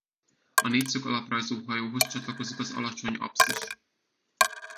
A négyszög alaprajzú hajóhoz csatlakozik az alacsony apszis.